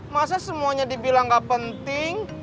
masa semuanya dibilang gak penting